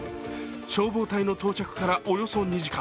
消防隊の到着からおよそ２時間。